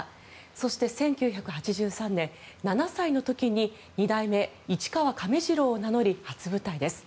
そして１９８３年、７歳の時に二代目市川亀治郎を名乗り初舞台です。